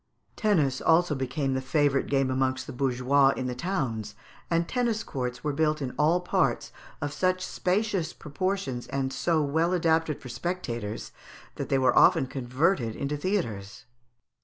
] Tennis also became the favourite game amongst the bourgeois in the towns, and tennis courts were built in all parts, of such spacious proportions and so well adapted for spectators, that they were often converted into theatres.